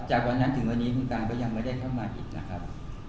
จากวันนั้นถึงวันนี้คุณตาก็ยังไม่ได้เข้ามาอีกนะครับ